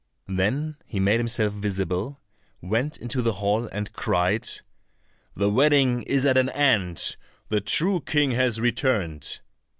Then he made himself visible, went into the hall, and cried, "The wedding is at an end, the true King has returned."